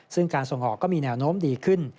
ซึ่งการส่งออกก็มีแนวโน้มดีขึ้น